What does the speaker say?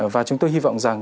và chúng tôi hy vọng rằng